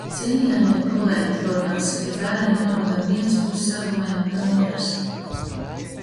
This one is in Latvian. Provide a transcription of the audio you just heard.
Cienījamie kolēģi, protams, ir vērā ņemami gan vienas puses argumenti, gan otras.